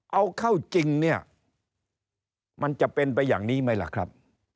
เอาเข้าจริงเนี่ยมันจะเป็นไปอย่างนี้ไหมล่ะครับ